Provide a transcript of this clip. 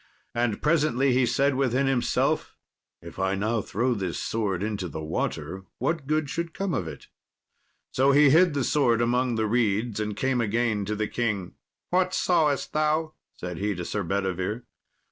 And presently he said within himself, "If I now throw this sword into the water, what good should come of it?" So he hid the sword among the reeds, and came again to the king. "What sawest thou?" said he to Sir Bedivere.